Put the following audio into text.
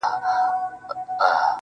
دلته اوسم~